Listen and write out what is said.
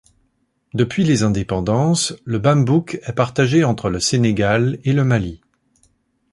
Depuis les indépendances, le Bambouk est partagé entre le Sénégal et le Mali.